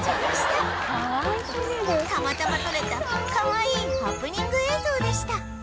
たまたま撮れたかわいいハプニング映像でした